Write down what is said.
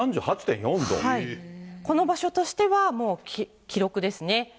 この場所としてはもう記録ですね。